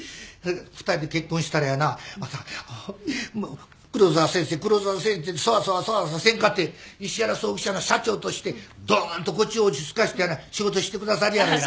２人で結婚したらやな黒沢先生黒沢先生ってそわそわそわそわせんかって石原葬儀社の社長としてどーんと腰を落ち着かせて仕事してくださるやろうな。